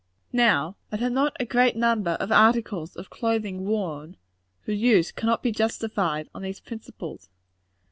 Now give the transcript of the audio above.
Now, are there not a great number of articles of clothing worn, whose use cannot be justified on these principles?